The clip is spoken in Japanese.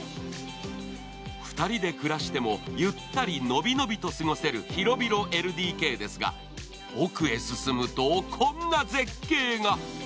２人で暮らしてもゆったりのびのびと暮らせる広々ＬＤＫですが奥へ進むと、こんな絶景が。